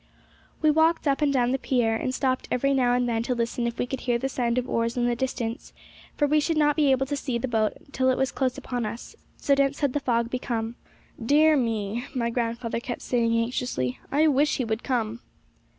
We walked up and down the pier, and stopped every now and then to listen if we could hear the sound of oars in the distance, for we should not be able to see the boat till it was close upon us, so dense had the fog become. 'Dear me,' my grandfather kept saying anxiously, 'I wish he would come!'